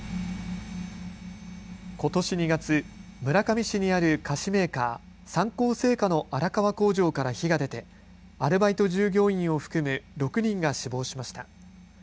ことし２月、村上市にある菓子メーカー、三幸製菓の荒川工場から火が出てアルバイト従業員を含む６人が死亡しました。